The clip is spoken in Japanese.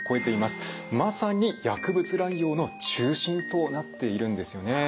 まさに薬物乱用の中心となっているんですよね。